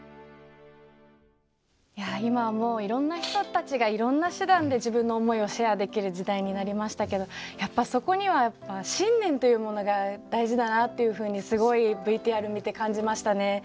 いや今はもういろんな人たちがいろんな手段で自分の思いをシェアできる時代になりましたけどやっぱそこには信念というものが大事だなというふうにすごいＶＴＲ見て感じましたね。